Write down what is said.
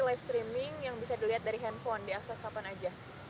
live streaming yang bisa dilihat dari handphone diakses kapan aja